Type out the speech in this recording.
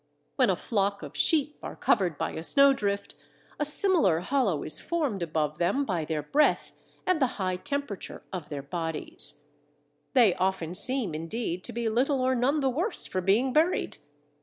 When a flock of sheep are covered by a snowdrift, a similar hollow is formed above them by their breath and the high temperature of their bodies: they often seem indeed to be little or none the worse for being buried.